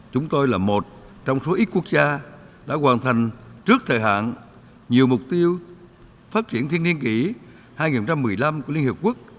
chúng tôi là một trong số ít quốc gia đã hoàn thành trước thời hạn nhiều mục tiêu phát triển thiên niên kỷ hai nghìn một mươi năm của liên hiệp quốc